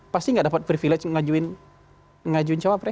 pasti nggak dapat privilege mengajuin cawapres